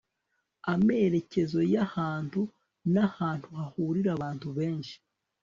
amerekezo y'ahantu n' ahantu hahurira abantu benshi